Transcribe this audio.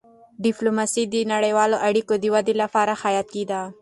ډيپلوماسي د نړیوالو اړیکو د ودي لپاره حیاتي ده.